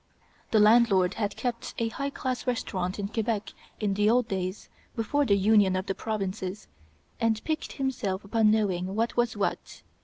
The landlord had kept a high class restaurant in Quebec in the old days before the union of the Provinces, and piqued himself upon knowing what was what.